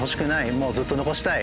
もうずっと残したい